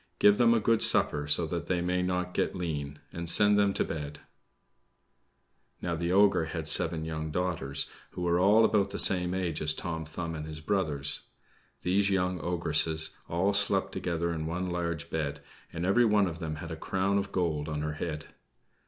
"Give them a good supper, so that they may not get lean, and send them to bed." Now, the ogre had seven young daughters, who were all about the same age as Tom Thumb and his brothers. These young ogresses all slept together in one large bed, and every one of them had a crown of gold on her head.